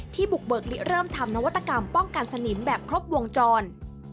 บุกเบิกลิเริ่มทำนวัตกรรมป้องกันสนิมแบบครบวงจร